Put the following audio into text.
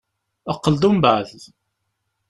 Qqel-d umbeεd.